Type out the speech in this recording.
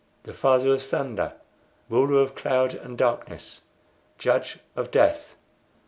(The Father of Thunder! Ruler of Cloud and Darkness! Judge of Death!)